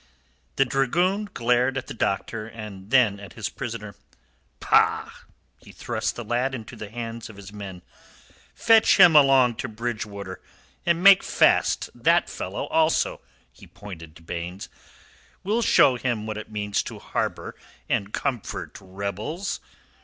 The dragoon glared at the doctor and then at his prisoner. "Pah!" He thrust the lad into the hands of his men. "Fetch him along to Bridgewater. And make fast that fellow also," he pointed to Baynes. "We'll show him what it means to harbour and comfort rebels."